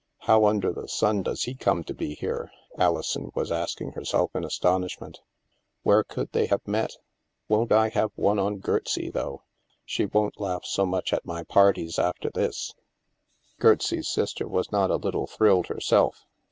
" How under the sun does he come to be here? '' Alison was asking herself in astonishment " Where could they have met ? Won't I have one on Gertsie, though? She won't laugh so much at my parties after this." Gertsie's sister was not a little thrilled, herself.